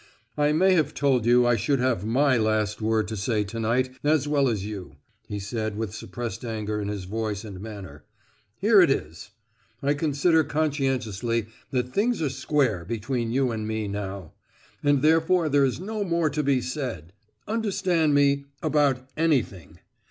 "I may have told you I should have my last word to say to night, as well as you!" he said with suppressed anger in his voice and manner: "Here it is. I consider conscientiously that things are square between you and me, now; and therefore there is no more to be said, understand me, about anything.